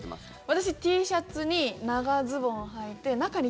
私、Ｔシャツに長ズボンはいてむくみ？